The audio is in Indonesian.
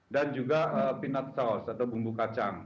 dan juga peanut sauce atau bumbu kacang